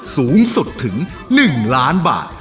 สูงสุดถึง๑ล้านบาท